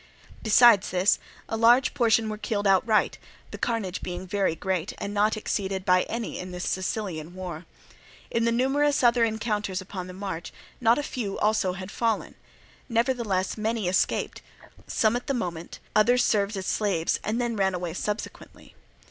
Besides this, a large portion were killed outright, the carnage being very great, and not exceeded by any in this Sicilian war. In the numerous other encounters upon the march, not a few also had fallen. Nevertheless many escaped, some at the moment, others served as slaves, and then ran away subsequently.